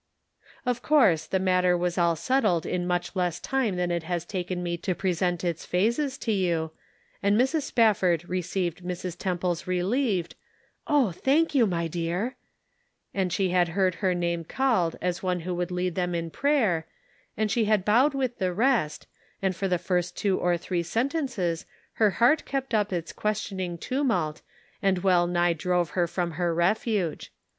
Of course the matter was all settled in much less time than it has taken me to present its phases to you, and Mrs. Spafford received Mrs. Temple's relieved, " Oh, thank you, my dear," and she had heard her name called as one who would lead them in prayer, and she had bowed with the rest, and for the first two or three sentences her heart kept up its question ing tumult, and well nigh drove her from her refuge.